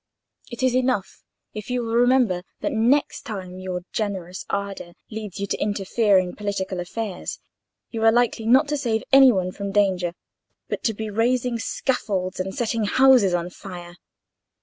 "It is enough if you will remember that the next time your generous ardour leads you to interfere in political affairs, you are likely, not to save any one from danger, but to be raising scaffolds and setting houses on fire.